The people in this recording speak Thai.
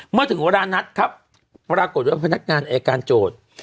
เมื่อถึงเวลานัดครับปรากฏว่าพนักงานอายการโจทย์